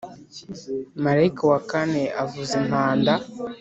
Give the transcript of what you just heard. Marayika wa kane avuza impanda.